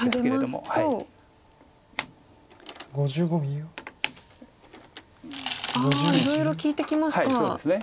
いろいろ利いてきますか。